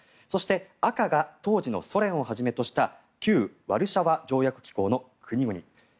そして、赤が当時のソ連をはじめとした旧ワルシャワ条約機構の国々。